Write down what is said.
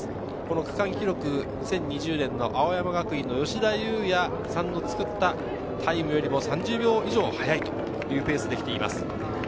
区間記録２０２０年の青山学院・吉田祐也さんの作ったタイムよりも３０秒以上速いペースで来ています。